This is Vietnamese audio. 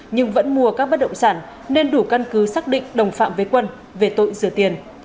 nhưng vẫn mua các bất động sản nên đủ căn cứ xác định đồng phạm với quân về tội rửa tiền